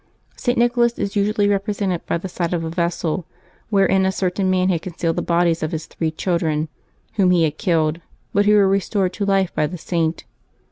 St. Nicholas is usually represented by the side of a vessel, wherein a certain man had concealed the bodies of his three children whom he had killed, but who were restored to life by the Saint.